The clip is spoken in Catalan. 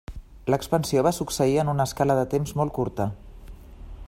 L'expansió va succeir en una escala de temps molt curta.